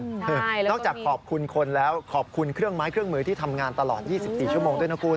นอกจากขอบคุณคนแล้วขอบคุณเครื่องไม้เครื่องมือที่ทำงานตลอด๒๔ชั่วโมงด้วยนะคุณ